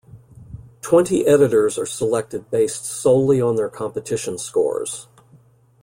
Twenty editors are selected based solely on their competition scores.